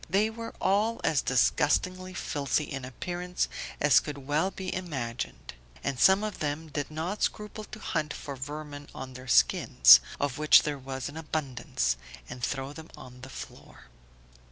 They were all as disgustingly filthy in appearance as could well be imagined; and some of them did not scruple to hunt for vermin on their skins, of which there was an abundance, and throw them on the floor.